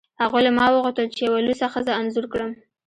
هغوی له ما وغوښتل چې یوه لوڅه ښځه انځور کړم